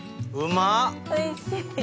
おいしい。